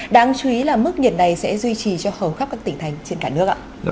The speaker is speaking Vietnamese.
đáng chú ý là mức nhiệt này sẽ duy trì cho hầu khắp các tỉnh thành trên cả nước ạ